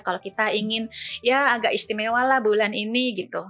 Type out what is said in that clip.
kalau kita ingin ya agak istimewa lah bulan ini gitu